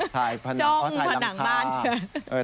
ถ่ายผนังอ้อถ่ายหลังคาจ้องผนังบ้านเฉย